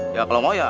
ya kalau mau ya